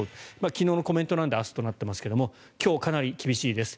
昨日のコメントなので明日となっていますが今日、かなり厳しいです。